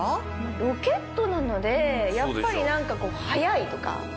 ロケットなのでやっぱり何かこう速いとか。